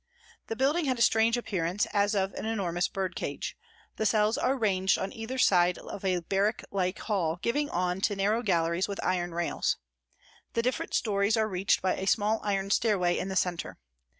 The building had a strange appearance, as of an enormous bird cage. The cells are ranged on either side of a barrack like hall giving on to narrow galleries with iron rails. The different storeys are reached by a small iron stairway in the centre.